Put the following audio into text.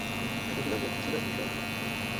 এগুলোর মধ্যে ছিল মিশরতত্ত্ব।